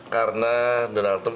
karena donald trump